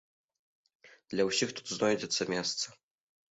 Для ўсіх тут знойдзецца месца.